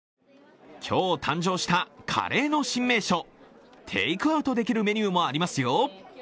今日誕生したカレーの新名所、テイクアウトできるメニューもありますよ。